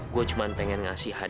gue cuma pengen ngasih hadiah